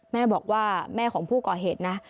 แม่บอกว่าแม่ของผู้ก่อเหตุนะ